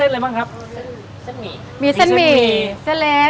ลูกชิ้นเนื้อ